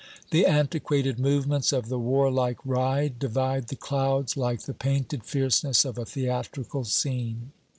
The antiquated movements of the warlike ride divide the clouds like the painted fierceness of a theatrical scene.